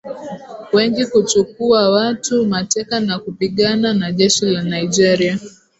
wengi kuchukua watu mateka na kupigana na jeshi la Nigeria